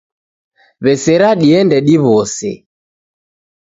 Wesera diende diwose